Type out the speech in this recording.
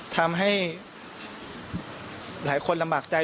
ทำให้หลายคนลำบากใจ